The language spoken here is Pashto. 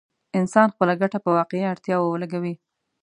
انسان خپله ګټه په واقعي اړتياوو ولګوي.